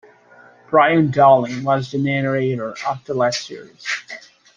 Brian Dowling was the narrator of the last series.